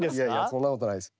そんなことないです。